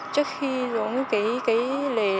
trước khi dùng cái